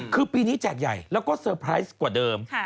คือปีนี้แจกใหญ่แล้วก็เซอร์ไพรส์กว่าเดิม